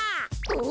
お。